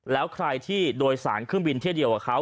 แล้วใครที่โดยสารเครื่องบินเที่ยวเดียวกับเขา